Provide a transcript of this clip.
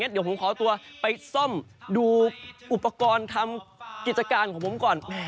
เดี๋ยวผมขอตัวไปซ่อมดูอุปกรณ์ทำกิจการของผมก่อน